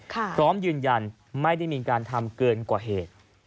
พร้อมยืนยันไม่ได้มีการทำเกินกว่าเหตุ